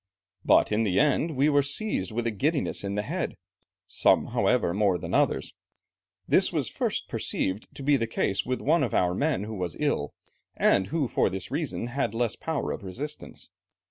But in the end, we were seized with a giddiness in the head, some however, more than others; this was first perceived to be the case with one of our men who was ill, and who for this reason, had less power of resistance.